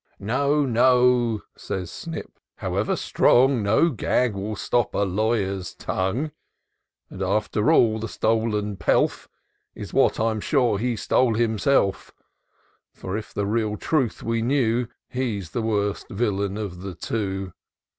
No, no," says Snip; " however strong. No gag will stop a lawyer's tongue ; And, after all, the stolen pelf, Is what, I'm sure, he stole himself; For, if the real truth we knew. He's the worst villain of the two